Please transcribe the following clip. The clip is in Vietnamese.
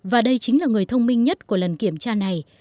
và đây chính là người thông minh nhất của lần kiểm tra này